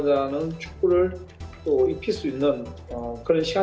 saya akan berusaha untuk memperbaiki kemahiran saya